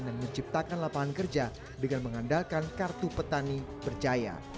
dan menciptakan lapangan kerja dengan mengandalkan kartu petani berjaya